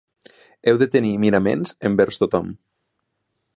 Heu de tenir miraments envers tothom.